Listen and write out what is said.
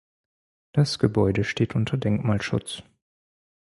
Das Gebäude steht unter Denkmalschutz.